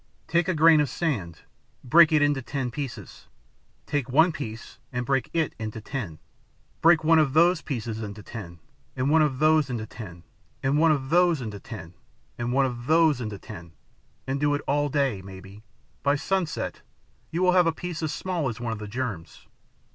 Take a grain of sand. Break it into ten pieces. Take one piece and break it into ten. Break one of those pieces into ten, and one of those into ten, and one of those into ten, and one of those into ten, and do it all day, and maybe, by sunset, you will have a piece as small as one of the germs."